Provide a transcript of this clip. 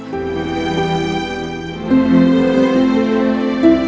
dan dia menangis